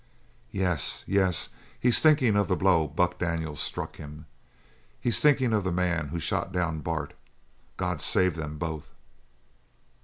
"Yes, yes; he's thinking of the blow Buck Daniels struck him; he's thinking of the man who shot down Bart. God save them both!"